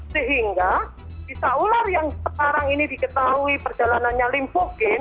sehingga bisa ular yang sekarang ini diketahui perjalanannya limfogen